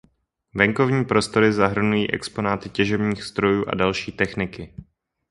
Venkovní prostory zahrnují exponáty těžebních strojů a další techniky.